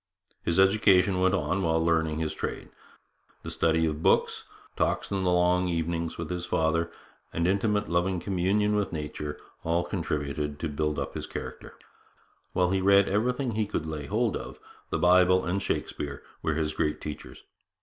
His education went on while he learned his trade. The study of books, talks in the long evenings with his father, and intimate loving communion with nature, all contributed to build up his character. While he read everything he could lay hold of, the Bible and Shakespeare were his great teachers.